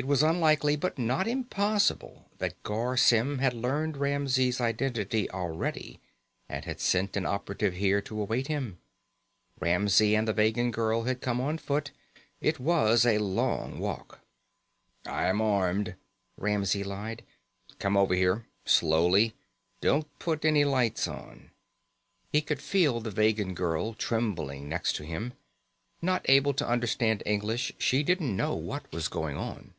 It was unlikely, but not impossible, that Garr Symm had learned Ramsey's identity already and had sent an operative here to await him. Ramsey and the Vegan girl had come on foot. It was a long walk. "I'm armed," Ramsey lied. "Come over here. Slowly. Don't put any lights on." He could feel the Vegan girl trembling next to him. Not able to understand English, she didn't know what was going on.